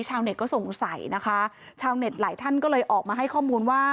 ชาวเน็ตก็สงสัยนะคะชาวเน็ตหลายท่านก็เลยออกมาให้ข้อมูลว่า